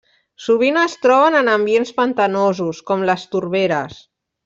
Sovint es troben en ambients pantanosos com les torberes.